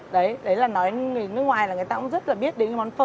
đấy là nói nước ngoài là người ta cũng rất là biết đến món phở